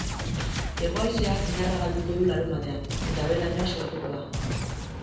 Hego-haizeak indarra galduko du larunbatean, eta behe-lainoa sortuko da.